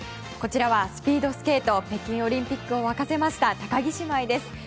こちらはスピードスケート北京オリンピックを沸かせました高木姉妹です。